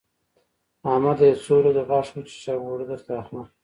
احمده! يو څو ورځې غاښ وچيچه؛ اوړه درته اخلم.